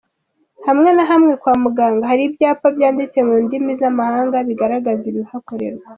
Hamwe na hamwe kwa muganga hari ibyapa byanditse mu ndimi z’amahanga bigaragaza ibihakorerwa.